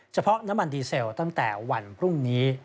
น้ำมันดีเซลตั้งแต่วันพรุ่งนี้